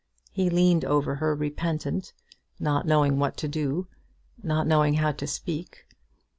He leaned over her repentant, not knowing what to do, not knowing how to speak.